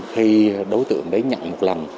khi đối tượng đánh nhận một lần